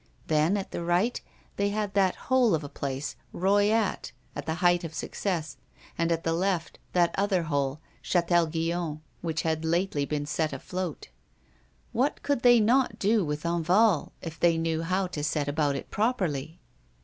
Then, at the right, they had that hole of a place, Royat, at the height of success, and at the left, that other hole, Chatel Guyon, which had lately been set afloat. What could they not do with Enval, if they knew how to set about it properly?